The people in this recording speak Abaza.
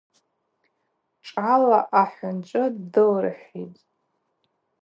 Шӏала ахӏвынчӏвы дылырхӏвитӏ.